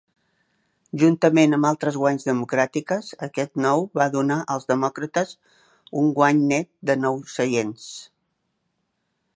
Juntament amb altres guanys democràtiques, aquest nou va donar als demòcrates un guany net de nou seients.